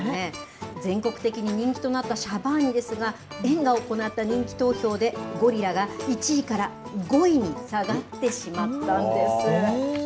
全国的に人気となったシャバーニですが、園が行った人気投票で、ゴリラが１位から５位に下がってしまったんです。